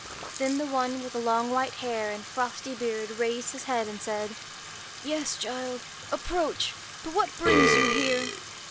Then the one with the long white hair and frosty beard raised his head, and said :' Yes, child, ap proach ; but what brings you here